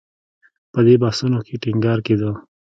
په دې بحثونو کې ټینګار کېده